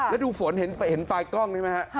แล้วดูฝนเห็นปลายกล้องนี้ไหมฮะ